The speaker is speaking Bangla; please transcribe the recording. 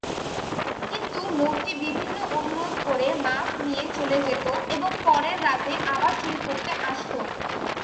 কিন্তু লোকটি বিভিন্ন অনুরোধ করে মাফ নিয়ে চলে যেত এবং পরের রাতে আবার চুরি করতে আসতো।